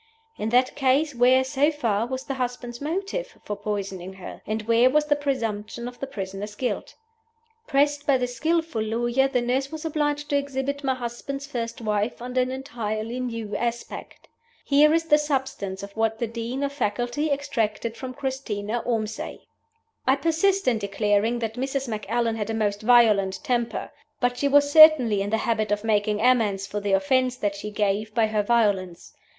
In that case, where (so far) was the husband's motive for poisoning her? and where was the presumption of the prisoner's guilt? Pressed by this skillful lawyer, the nurse was obliged to exhibit my husband's first wife under an entirely new aspect. Here is the substance of what the Dean of Faculty extracted from Christina Ormsay: "I persist in declaring that Mrs. Macallan had a most violent temper. But she was certainly in the habit of making amends for the offense that she gave by her violence.